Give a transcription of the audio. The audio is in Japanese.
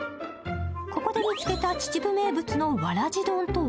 ここで見つけた秩父名物のわらじ丼とは？